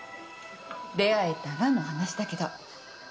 出会えたらの話だけど。